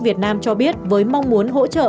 việt nam cho biết với mong muốn hỗ trợ